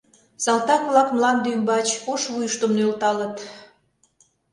Салтак-влак мланде ӱмбач ош вуйыштым нӧлталыт